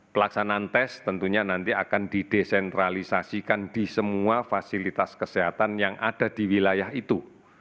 pelaksanaan tes tentunya nanti akan didesentralisasikan di semua fasilitas kesehatan yang ada di wilayah itu